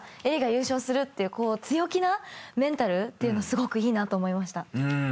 愛理が優勝するって強気なメンタルっていうのすごくいいなと思いました。